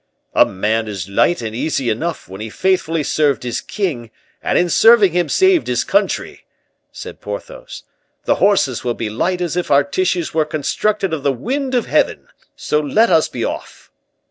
"A man is light and easy enough, when he has faithfully served his king; and, in serving him, saved his country," said Porthos. "The horses will be as light as if our tissues were constructed of the wind of heaven. So let us be off."